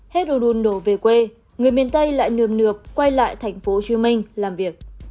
hết đồ đun đổ về quê người miền tây lại nượm nượp quay lại tp hcm làm việc